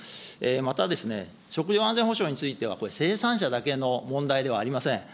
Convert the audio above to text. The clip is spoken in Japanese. またですね、食料安全保障についてはこれ、生産者だけの問題ではありません。